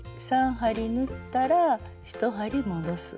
３針縫ったら１針戻す。